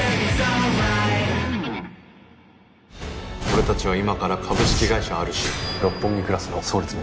俺たちは今から株式会社ＲＣ六本木クラスの創立メンバーだ。